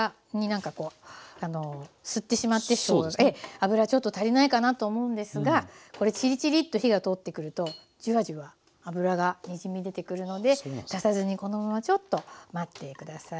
油ちょっと足りないかなと思うんですがこれチリチリと火が通ってくるとジュワジュワ油がにじみ出てくるので出さずにこのままちょっと待って下さい。